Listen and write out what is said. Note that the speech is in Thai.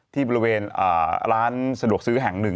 ที่บริเวณร้านสะดวกซื้อแห่งหนึ่ง